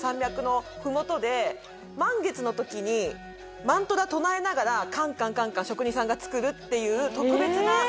満月の時にマントラ唱えながらカンカンカンカン職人さんが作るっていう。